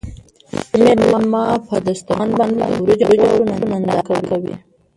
مېلمانه په دسترخوان باندې د وریجو او غوښو ننداره کوي.